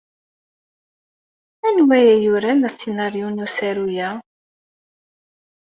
Anwa ay yuran asinaṛyu n usaru-a?